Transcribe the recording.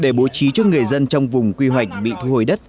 để bố trí cho người dân trong vùng quy hoạch bị thu hồi đất